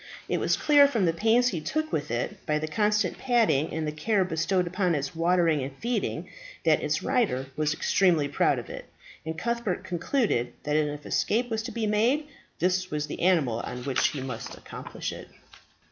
It was clear from the pains he took with it, by the constant patting and the care bestowed upon its watering and feeding, that its rider was extremely proud of it; and Cuthbert concluded that if an escape was to be made, this was the animal on which he must accomplish it.